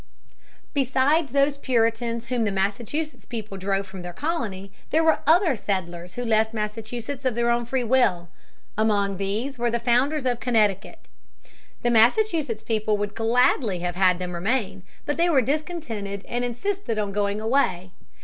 Besides those Puritans whom the Massachusetts people drove from their colony there were other settlers who left Massachusetts of their own free will. Among these were the founders of Connecticut. The Massachusetts people would gladly have had them remain, but they were discontented and insisted on going away.